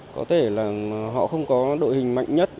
có thể là họ không có đội hình mạnh nhất